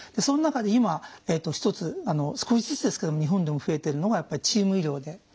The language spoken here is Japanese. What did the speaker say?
その中で今一つ少しずつですけども日本でも増えてるのがやっぱりチーム医療で。